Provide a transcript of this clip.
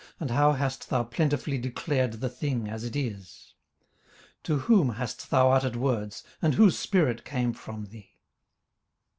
and how hast thou plentifully declared the thing as it is? 18:026:004 To whom hast thou uttered words? and whose spirit came from thee?